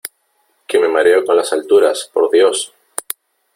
que me mareo con las alturas , por Dios .